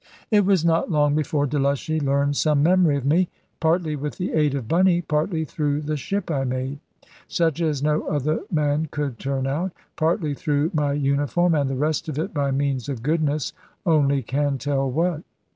It was not long before Delushy learned some memory of me, partly with the aid of Bunny, partly through the ship I made such as no other man could turn out partly through my uniform, and the rest of it by means of goodness only can tell what.